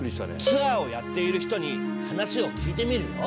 ツアーをやっている人に話を聞いてみるよ。